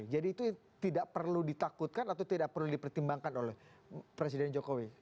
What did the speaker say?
jadi itu tidak perlu ditakutkan atau tidak perlu dipertimbangkan oleh presiden jokowi